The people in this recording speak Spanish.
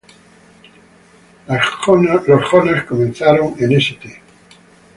Los Jonas comenzaron en St.